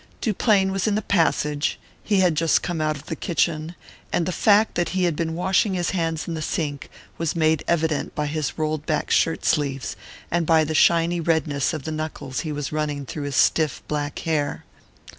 Duplain was in the passage; he had just come out of the kitchen, and the fact that he had been washing his hands in the sink was made evident by his rolled back shirt sleeves, and by the shiny redness of the knuckles he was running through his stiff black hair.